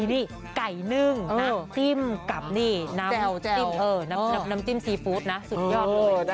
นี่ไก่นึ่งน้ำจิ้มกับน้ำจิ้มซีฟู้ดนะสุดยอดเลย